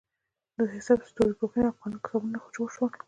د حساب، ستورپوهنې او قانون کتابونه جوړ شول.